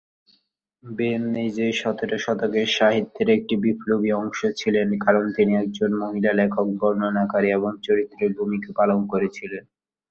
Ben নিজেই সতেরো শতকের সাহিত্যের একটি বিপ্লবী অংশ ছিলেন, কারণ তিনি একজন মহিলা লেখক, বর্ণনাকারী এবং চরিত্রের ভূমিকা পালন করেছিলেন।